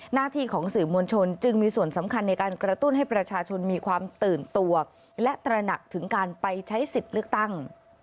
หน้าที่ของสื่อมวลชนจึงมีส่วนสำคัญในการกระตุ้นให้ประชาชนมีความตื่นตัวและตระหนักถึงการไปใช้สิทธิ์เลือกตั้ง